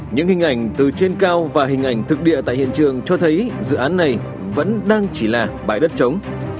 những hình ảnh từ trên cao và hình ảnh thực địa tại hiện trường cho thấy dự án này vẫn đang chỉ là bãi đất chống